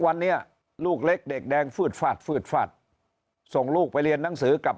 วันนี้ลูกเล็กเด็กแดงฟืดฟาดฟืดฟาดส่งลูกไปเรียนหนังสือกับ